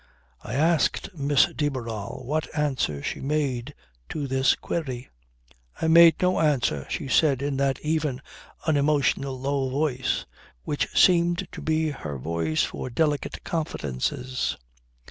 I asked Miss de Barral what answer she made to this query. "I made no answer," she said in that even, unemotional low voice which seemed to be her voice for delicate confidences.